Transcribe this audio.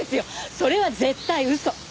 それは絶対嘘！